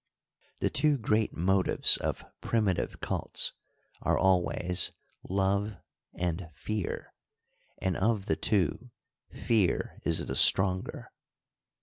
The two great motives of primitive cults are always love and fear^ and of the two fear is the stronger.